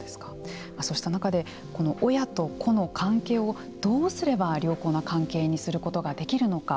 そうした中で親と子の関係をどうすれば良好な関係にすることができるのか。